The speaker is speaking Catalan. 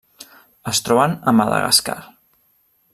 Es troben a Madagascar.